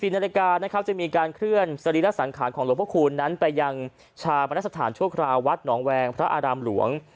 ๔นาฬิกานะครับจะมีการเคลื่อนสรีระสังขารของหลวงพระคูณนั้นไปยังชาปนสถานชั่วคราววัดหนองแวงพระอารามหลวง